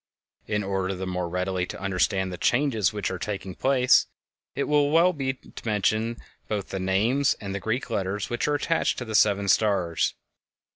In order the more readily to understand the changes which are taking place, it will be well to mention both the names and the Greek letters which are attached to the seven stars.